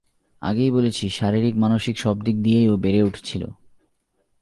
আগেই বলেছি শারীরিক মানসিক সব দিক দিয়েই ও বেড়ে উঠছিল।